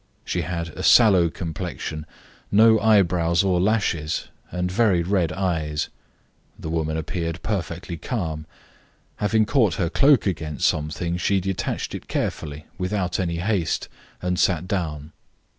She had a sallow complexion, no eyebrows or lashes, and very red eyes. This woman appeared perfectly calm. Having caught her cloak against something, she detached it carefully, without any haste, and sat down.